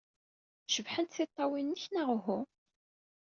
Cebḥent tiṭṭawin-nnek, neɣ uhu?